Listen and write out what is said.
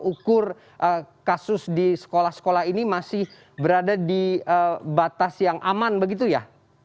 ukur kasus di sekolah sekolah ini masih berada di batas yang aman begitu ya